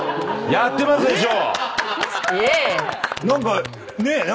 やってますでしょ。